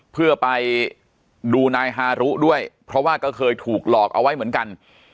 เพื่อไปดูนายฮารุด้วยเพราะว่าก็เคยถูกหลอกเอาไว้เหมือนกัน